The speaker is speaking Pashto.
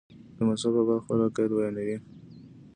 د مذهب په باب خپل عقاید بیانوي.